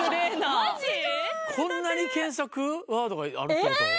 こんなに検索ワードがあるってこと？